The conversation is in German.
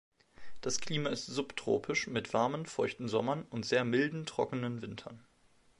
Das Klima ist subtropisch mit warmen, feuchten Sommern und sehr milden, trockenen Wintern.